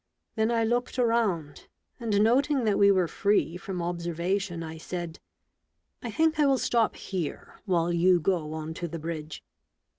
Then I looked around, and noting that we were free from observation, I said :—" I think I will stop here, while you go on to the bridge.